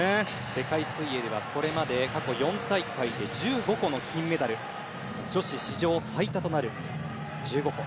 世界水泳ではこれまで過去４大会で１５個の金メダル。女子史上最多となる１５個。